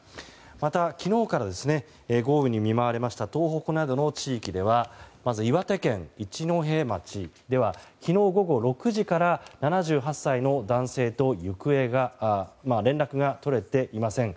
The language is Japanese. また昨日から豪雨に見舞われました東北などの地域ではまず岩手県一戸町では昨日午後６時から７８歳の男性と連絡が取れていません。